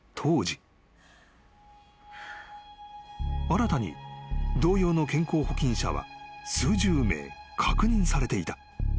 ［新たに同様の健康保菌者は数十名確認されていた］